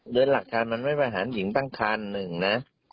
เรียกรางขางว่ามันไม่ประหารหญิงตั้งคันนึงนะ